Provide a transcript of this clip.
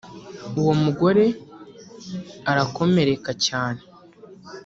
uwo mugore arakomereka cyane